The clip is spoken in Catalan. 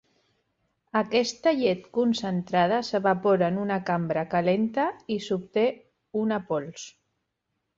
Aquesta llet concentrada s'evapora en una cambra calenta i s'obté una pols.